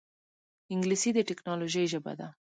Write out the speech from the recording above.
انګلیسي د ټکنالوجۍ ژبه ده